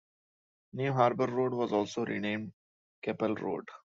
New Harbour Road was also renamed Keppel Road.